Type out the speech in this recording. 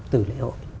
từ lễ hội